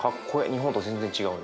日本と全然違うね。